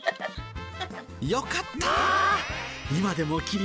よかったー。